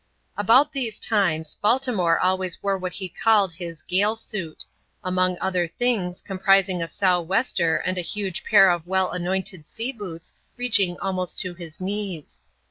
About these times, Baltimore always wore what he called his "gale suit ;" among other things, comprising a Sou' Wester and a huge pair of well anointed sea boots, reaching almost to his knees.